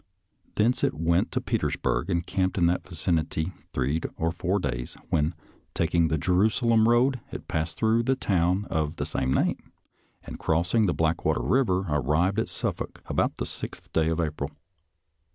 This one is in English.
Thence it went to Petersburg and camped in that vicinity three or four days, when, taking the Jerusalem Road, it passed through the town of the same name, and crossing the Blackwater River, arrived at Suffolk about the 6th day of April.